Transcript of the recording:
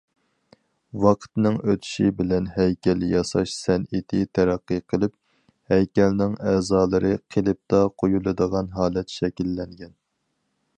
ۋاقىتنىڭ ئۆتىشى بىلەن ھەيكەل ياساش سەنئىتى تەرەققىي قىلىپ ھەيكەلنىڭ ئەزالىرى قېلىپتا قۇيۇلىدىغان ھالەت شەكىللەنگەن.